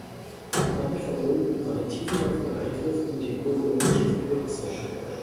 Damit verbunden war ein tiefgreifender Eingriff in die ökologischen Verhältnisse.